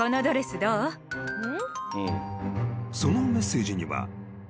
［そのメッセージには］